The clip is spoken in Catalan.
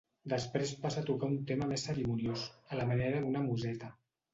Després passa a tocar un tema més cerimoniós, a la manera d'una museta.